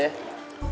udah lah udah